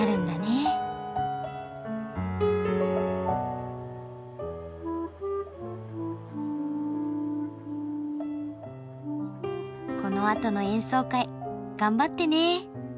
・このあとの演奏会頑張ってね。